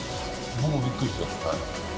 僕もびっくりしてます。